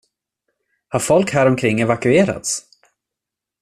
Har folk häromkring evakuerats?